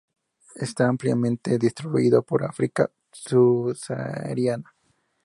Está ampliamente distribuido por África subsahariana.